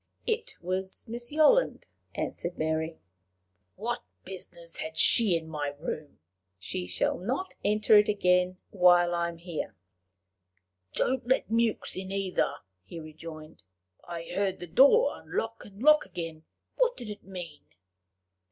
"It was Miss Yolland," answered Mary. "What business had she in my room?" "She shall not enter it again while I am here." "Don't let Mewks in either," he rejoined. "I heard the door unlock and lock again: what did it mean?"